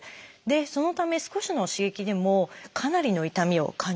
そのため少しの刺激でもかなりの痛みを感じてしまいます。